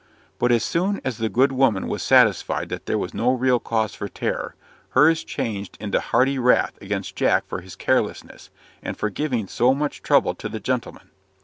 But as soon as the good woman was satisfied that there was no real cause for terror, hers changed into hearty wrath against Jack for his carelessness, and for giving so much trouble to the gentleman.